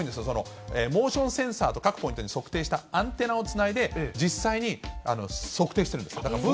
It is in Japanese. そのモーションセンサーと、各ポジションで測定したアンテナをつないで、実際に測定してるんです。